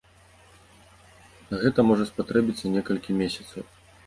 На гэта можа спатрэбіцца некалькі месяцаў.